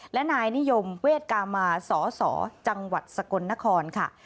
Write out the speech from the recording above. และนายนิยมเวทกามาสสจังหวัดสกลนครค่ะ